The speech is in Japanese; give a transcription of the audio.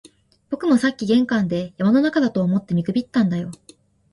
僕もさっき玄関で、山の中だと思って見くびったんだよ